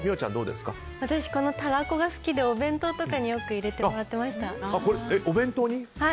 私は、このたらこが好きでお弁当とかによく入れてもらってました。